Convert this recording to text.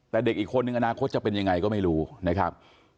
แต่เด็กอีกคนนึงอนาคตจะเป็นยังไงก็ไม่รู้นะครับ